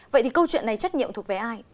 vậy thì câu chuyện này trách nhiệm thuộc về ai